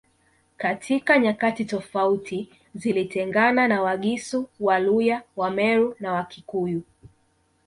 Katika nyakati tofauti zilitengana na Wagisu Waluya Wameru na Wakikuyu